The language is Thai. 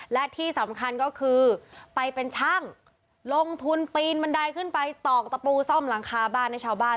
และที่สำคัญก็คือไปเป็นช่างลงทุนปีนบันไดขึ้นไปตอกตะปูซ่อมหลังคาบ้านให้ชาวบ้าน